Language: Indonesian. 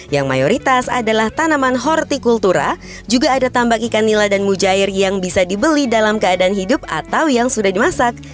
yang mayoritas adalah tanaman hortikultura juga ada tambak ikan nila dan mujair yang bisa dibeli dalam keadaan hidup atau yang sudah dimasak